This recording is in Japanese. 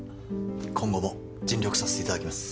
今後も尽力させていただきます